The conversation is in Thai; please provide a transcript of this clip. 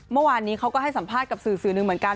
เมื่อวานนี้เขาก็ให้สัมภาษณ์กับสื่อสื่อหนึ่งเหมือนกัน